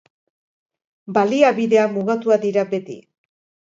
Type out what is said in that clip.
Baliabideak mugatuak dira beti.